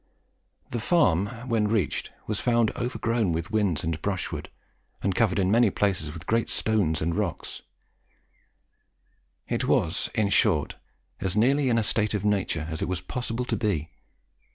The farm, when reached, was found overgrown with whins and brushwood, and covered in many places with great stones and rocks; it was, in short, as nearly in a state of nature as it was possible to be.